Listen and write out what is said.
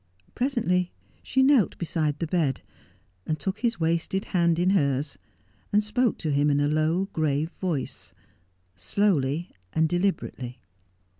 Presently she knelt beside the bed, and took his wasted hand in hers, and spoke to him in a low, grave voice, slowly and deliberately.